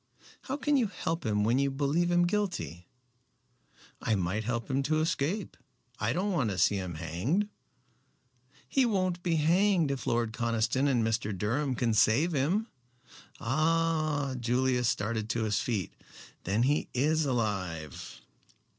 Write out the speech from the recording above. "How can you help him when you believe him guilty?" "I might help him to escape. I don't want to see him hanged." "He won't be hanged if Lord Conniston and Mr. Durham can save him." "Ah!" Julius started to his feet. "Then he is alive."